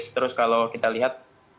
terus kalau kita lihat